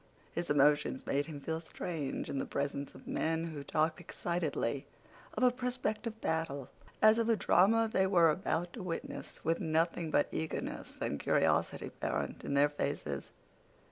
His emotions made him feel strange in the presence of men who talked excitedly of a prospective battle as of a drama they were about to witness, with nothing but eagerness and curiosity apparent in their faces.